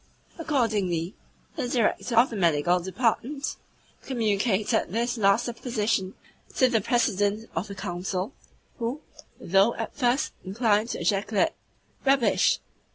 Accordingly he (the Director of the Medical Department) communicated this last supposition to the President of the Council, who, though at first inclined to ejaculate "Rubbish!"